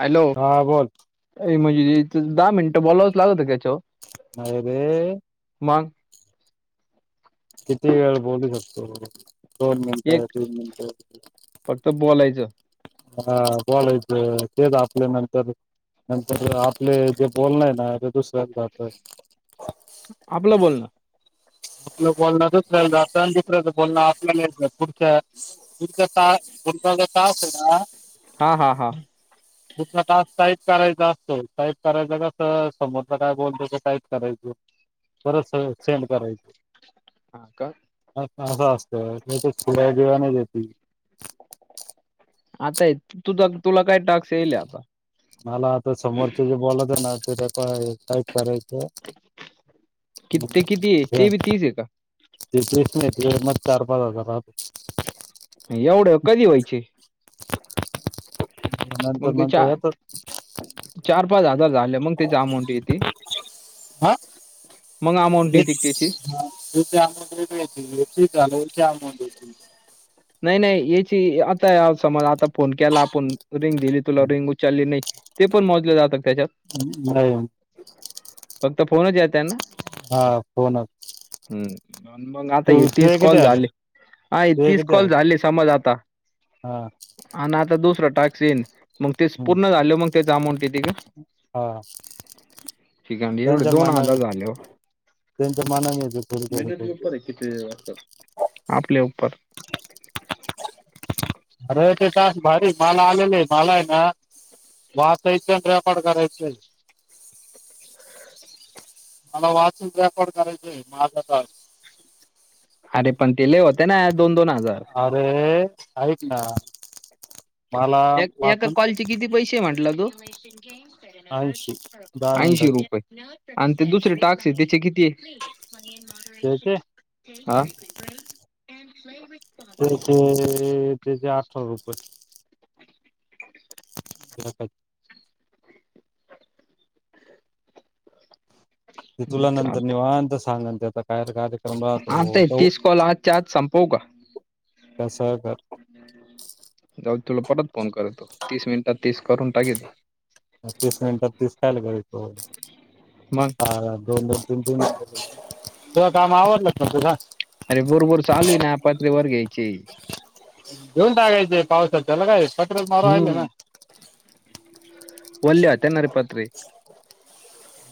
Hello हा बोल. म्हणजे दहा मिनटं बोलावच लागत का? अ रे. मग किती वेळ बोलू एक शकतोोर्मेंटमेंट फक्त बोलायचं हा बॉलेच तेेत आपल्या नंतर नंतर आपले जे बोलण आहे ना ते दुसऱ्यात जातय आपलं बोलणं आपलं बोलण दुसर दुसर बोलं आपल्या अच ना हा हा हा तुठला तास टाईप करायचा असतो टाईप करायचा कसं समोरला काय बोलतो त टाईप करायच बर सेंड करायचं हा का असं असत त्याच्या ड्या जेवाने ये आताय तुझ तुला काय टाक्स येईल आता मला आता समोरचे जे बोलत आहे ना ते काय करायचं कि ते किती आहे ते बी तीस आहे का तेच नाही तिकडे मग चार पाच हजारात एवढं कधी व्हायचे नंतर मग ते नंतर या चार तर चार पाच हजार झाले मग त्याची अमाऊंट येते मग अमाऊंट येते त्याची ते त आमद्याय झालंचे आम नाही नाही याची आता समज आता फोन केला आपण रिंग दिली तुला रिंग उचलली नाही ते पण मोजले जातात त्याच्यात नाही फक्त फोनच य हा फोनच हम्म मग आता तू ये तीस तुझे किती कॉल आले झाले अ तुझे तीस किती कॉल आले झाली समज आता हा आणि आता दुसरं टॅक्सीन मग ते हम्म पूर्ण झाले मग त्या जामं तथे का हा िकण एवढे त्यांच्या दोन मानाने हजार झाले हो त्यांच्या मानाने येते थोडी थोडी मेहनती थोडी उपर थोडी आहे किती आपल्या उपर तास भारी मला आलेले मला आहे ना वाचायचं आणि रेकॉर्ड करायचं. [inaudible] मला वाॉचस रेकॉर्ड करायचंय माझा त अरे पण ते लय होते ना दोन दोन हजार. अरे आहेतऐक ना. मला एका वाचून कॉलचे किती पैसे म्हटलं तू ऐंशी दहा ऐंशी मिनिटाचे रुपये आणि ते दुसरे टाक्स आहे त्याचे किती आहे. त्याचे ह. त्याचे त्याचे अठरा रुपये. [inaudible] ज ते तुला नंतर निवात सांग कायर कार्यक्रम आता हे तोत तीस कॉल आजच्या आज संपवू का? कस जाऊ तुला पटत फोन करतो तीस मिनिटात तीस करून टाकेतो हो दोन दोन तीन तीन तुझ काम आवडलं ना तुझ पात्रे वर घ्यायचे घेऊन टाकायचे पावसा त्याला काय पट्रल मार आहेहिले ना वलि त्यांनारी पात्री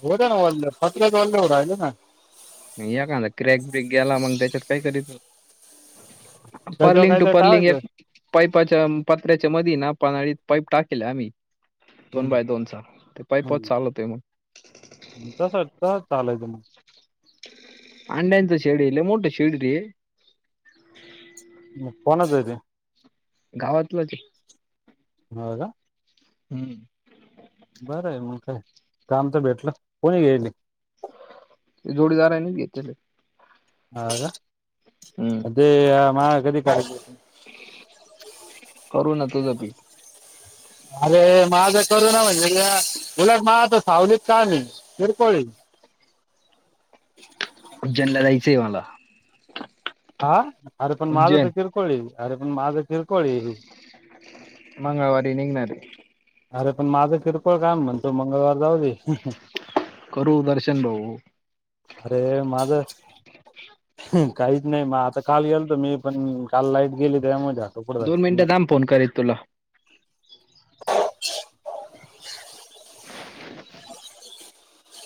होत ना वल् फत्रच वल्ले राहिलं ना या का क्रॅक ब्रेक गेला मग त्याच्यात काय करीत. त्याच्यावर पर्लिंग टू काहीतरी पर्लिंग टाकायचं एक पाईपाच्या पत्र्या च्या म ना पाळीत पाईप टाकलं आम्ही. दोन हम्म बाय दोन चाार ते पाय पत चाल होते मग. तस तस चालयचं मग अंड्यांत शेडी मोठं शेडी र कोणच ते. गावातलंच. होा का. हम्म. बरं आहे मग काय कामच भेटलं कोणी गईल. जोडीदार आहे ना घेतलेले. हा का ते म कधी का.. करू ना तुझपी.. अरे माझं करू ना म्हणजे मुलाग मा आता सावलीत का नाही किरकोळी.. [inaudible] उज्जेनला जायचंय मला. हा.. आरं पण माझं उज्जैन तर किरकोळ आहे, आरे पण माझं क मंगळवारी निघणार आहे. अरं पण माझं किरकोळ काम म्हणतो, मंगळवार जाऊ दे! ह.. हम.. करू दर्शन भाऊ अरे माझं काहीच नाही. मग आता काल गेलतो, मी पण काल लाईट गेली. त्यामुळे झाटोपट दोन झाली मिनिटं थांब, फोन करीत तुला. [inaudible] [inaudible]